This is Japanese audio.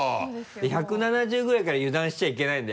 １７０ｃｍぐらいから油断しちゃいけないんだ